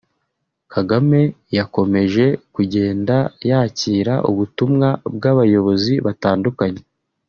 Kagame yakomeje kugenda yakira ubutumwa bw’abayobozi batandukanye